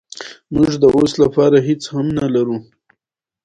سرمایه لرونکي کارګران بېل ګروپونه نه دي.